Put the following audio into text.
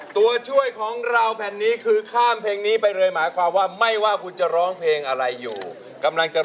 ตัวช่วยของเราแผ่นนี้คือข้ามเพลงนี้ไปเลยมาความว่าไม่ว่าคุณจะร้องเพลง